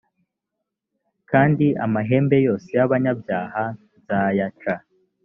kandi amahembe yose y abanyabyaha nzayaca